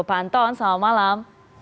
pak anton selamat malam